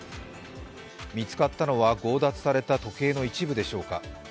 見つかったのは強奪された時計の一部でしょうか。